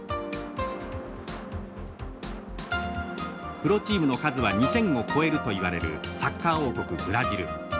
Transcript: プロチームの数は２，０００を超えるといわれるサッカー王国ブラジル。